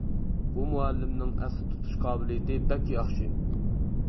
بۇ مۇئەللىمنىڭ ئەستە تۇتۇش قابىلىيىتى بەك ياخشى.